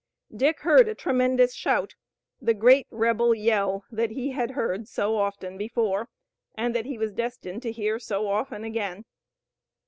Dick heard a tremendous shout, the great rebel yell, that he had heard so often before, and that he was destined to hear so often again.